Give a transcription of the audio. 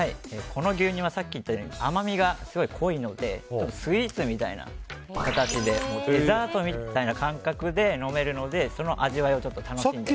この牛乳はさっき言ったように甘みがすごい濃いのでスイーツみたいな形でデザートみたいな感覚で飲めるのでその味わいをちょっと楽しんで。